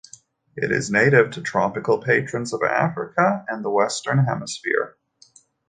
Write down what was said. It is native to tropical portions of Africa and the Western Hemisphere.